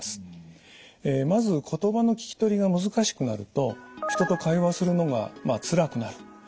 まず言葉の聞き取りが難しくなると人と会話をするのがつらくなる。